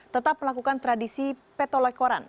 tetap melakukan tradisi petolekoran